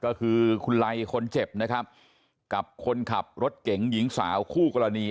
ก็คือคุณไลคนเจ็บนะครับกับคนขับรถเก๋งหญิงสาวคู่กรณี